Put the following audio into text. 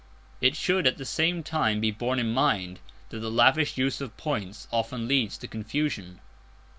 It should at the same time be borne in mind that the lavish use of points often leads to confusion.